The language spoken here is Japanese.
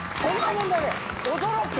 驚く。